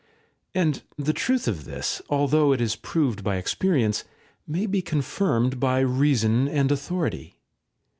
§ 3. And the truth of this, although it is proved by experience, may be confirmed by reason and authority.